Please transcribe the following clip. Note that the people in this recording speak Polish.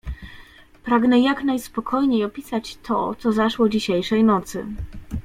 "Pragnę jak najspokojniej opisać to, co zaszło dzisiejszej nocy."